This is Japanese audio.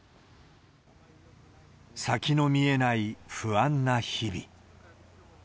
先の見えない不安な日々。